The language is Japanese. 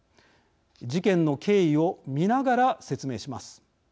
事件の経緯を見ながら説明します。